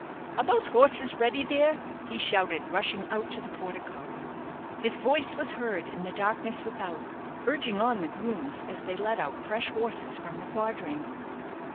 Are those horses ready there?" he shouted, rushing out to the portico. His voice was heard in the darkness without, urging on the grooms as they led out fresh horses from the quadrangle.